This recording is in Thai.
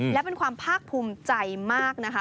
และเป็นความภาคภูมิใจมากนะคะ